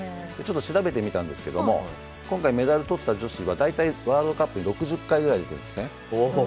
ちょっと調べてみたんですけど今回メダルを取った女子は大体ワールドカップ６０回くらい出ているんですね。